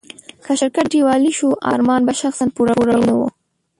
که شرکت ډيوالي شو، ارمان به شخصاً پوروړی نه و.